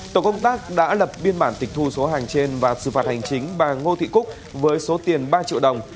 tổ công tác đã lập biên bản tịch thu số hàng trên và xử phạt hành chính bà ngô thị cúc với số tiền ba triệu đồng